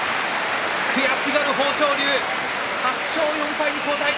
悔しがる豊昇龍、８勝４敗に後退。